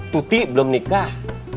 tuti belum nikah